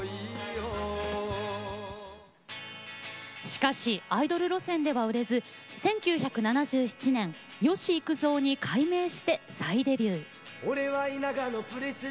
しかしアイドル路線では売れず１９７７年吉幾三に改名して再デビュー。